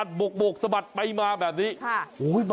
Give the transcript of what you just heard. จาใส่แมสด์ด้วยนะ